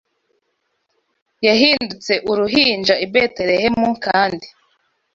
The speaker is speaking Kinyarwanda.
yahindutse uruhinja i Betelehemu, kandi